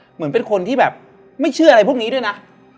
เหมือนเป็นคนที่แบบไม่เชื่ออะไรพวกนี้ด้วยนะ